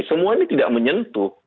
semua ini tidak menyentuh